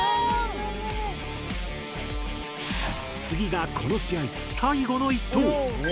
次がこの試合最後の１投。